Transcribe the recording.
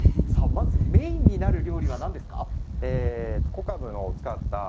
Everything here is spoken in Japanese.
まずメインになる料理は何ですか？